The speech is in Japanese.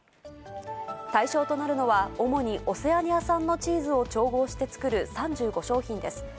対象となるのは、主にオセアニア産のチーズを調合して作る３５商品です。